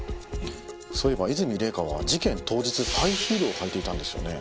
そういえば和泉礼香は事件当日ハイヒールを履いていたんですよね。